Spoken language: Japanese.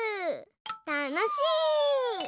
たのしい！